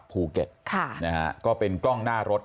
ภูเก็ตค่ะนะฮะก็เป็นกล้องหน้ารถ